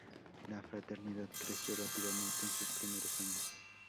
La fraternidad creció rápidamente en sus primeros años.